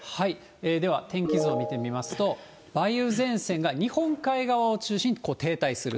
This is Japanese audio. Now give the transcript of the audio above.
では天気図を見てみますと、梅雨前線が日本海側を中心に停滞する。